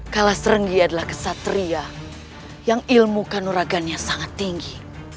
kalas renggi adalah kesatria yang ilmu kanuragannya sangat tinggi